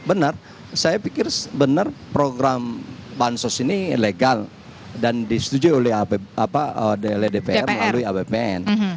benar saya pikir benar program bansos ini legal dan disetujui oleh dpr melalui apbn